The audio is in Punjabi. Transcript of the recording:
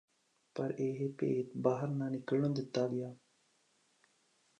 ਪਰ ਇਹ ਭੇਤ ਬਾਹਰ ਨਾ ਨਿਕਲਣ ਦਿੱਤਾ ਗਿਆ